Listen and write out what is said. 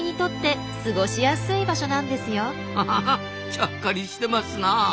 ちゃっかりしてますなあ。